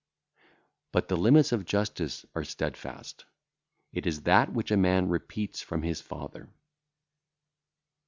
But the limits of justice are steadfast; it is that which a man repeateth from his father.